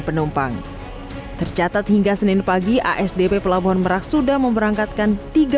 penumpang tercatat hingga senin pagi asdp pelabuhan merak sudah memerangkatkan tiga puluh delapan sembilan ratus tujuh puluh dua